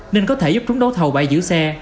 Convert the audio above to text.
nên có thể giúp chúng đấu thầu bãi giữ xe